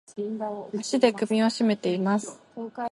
足で首をしめています。